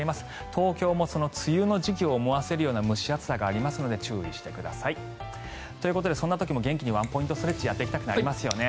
東京も梅雨の時期を思わせるような蒸し暑さがありますので注意してください。ということで元気にワンポイントストレッチやっていきたくなりますよね。